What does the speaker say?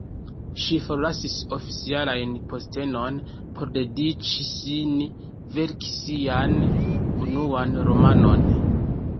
Ŝi forlasis oficialajn postenojn por dediĉi sin verki sian unuan romanon.